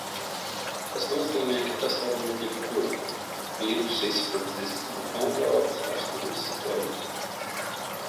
Tas nozīmē, ka tas var būt jebkur. Vīruss izsprucis no kontroles, vairs nav izsekojams.